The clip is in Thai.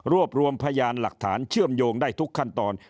รวมรวมพยานหลักฐานเชื่อมโยงได้ทุกขั้นตอน